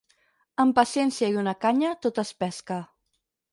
Amb paciència i una canya, tot es pesca.